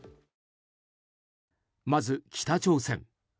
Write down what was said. まず北朝鮮。